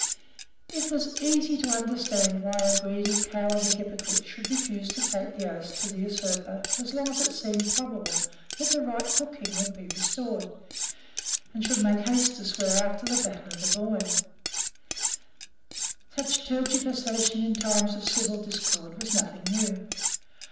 It was easy to understand why a greedy, cowardly hypocrite should refuse to take the oaths to the usurper as long as it seemed probable that the rightful King would be restored, and should make haste to swear after the battle of the Boyne. Such tergiversation in times of civil discord was nothing new.